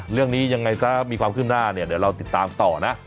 เรื่องนี้ยังไงซะมีความขึ้นหน้าเนี่ยเดี๋ยวเราติดตามต่อนะ